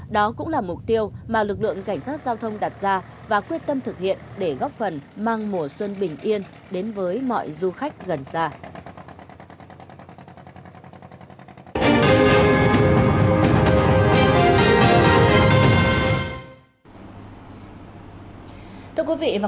đó cũng là mục tiêu mà lực lượng cảnh sát giao thông đặt ra và quyết tâm thực hiện để góp phần mang mùa xuân bình yên đến với mọi du khách gần xa